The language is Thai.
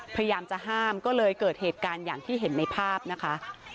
พยายามจะห้ามก็เลยเกิดเหตุการณ์อย่างที่เห็นในภาพนะคะ